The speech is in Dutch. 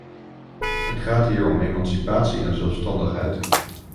Het gaat hier om emancipatie en zelfstandigheid.